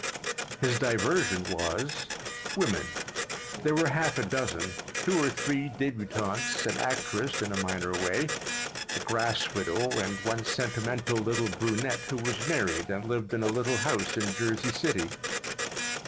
His diversion was—women. There were half a dozen: two or three dķbutantes, an actress (in a minor way), a grass widow, and one sentimental little brunette who was married and lived in a little house in Jersey City.